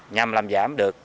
nhằm làm giảm được